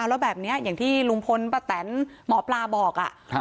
แล้วแบบนี้อย่างที่ลุงพลป้าแตนหมอปลาบอก